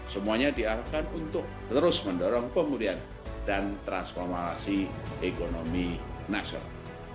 semuanya diarahkan untuk terus mendorong pemulihan dan transformasi ekonomi nasional